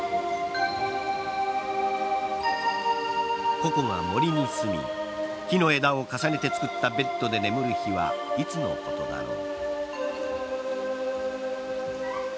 ココは森にすみ木の枝を重ねて作ったベッドで眠る日はいつのことだろう。